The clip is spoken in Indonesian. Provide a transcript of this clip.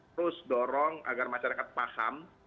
terus dorong agar masyarakat paham